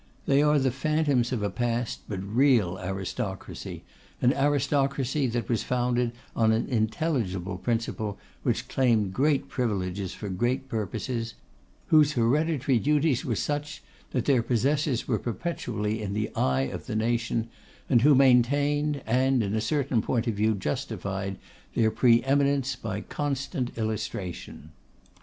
They are the phantoms of a past, but real Aristocracy; an Aristocracy that was founded on an intelligible principle; which claimed great privileges for great purposes; whose hereditary duties were such, that their possessors were perpetually in the eye of the nation, and who maintained, and, in a certain point of view justified, their pre eminence by constant illustration.